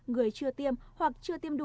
người chưa tiêm hoặc chưa tiêm đủ